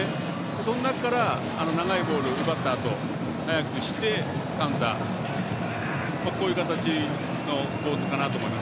その中から長いボール奪ったあと速くしてカウンターという形の構図かなと思います。